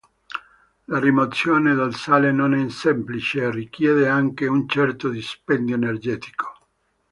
La rimozione del sale non è semplice e richiede anche un certo dispendio energetico.